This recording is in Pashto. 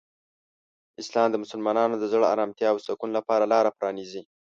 اسلام د مسلمانانو د زړه آرامتیا او سکون لپاره لاره پرانیزي.